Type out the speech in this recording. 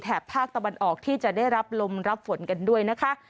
ภาคตะวันออกที่จะได้รับลมรับฝนกันด้วยนะคะ